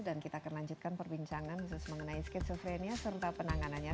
dan kita akan lanjutkan perbincangan mengenai schizophrenia serta penanganannya